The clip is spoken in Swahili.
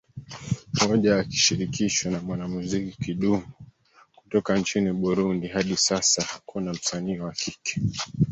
moja akishirikishwa na mwanamuziki Kidumu kutoka nchini Burundi Hadi sasa hakuna msanii wa kike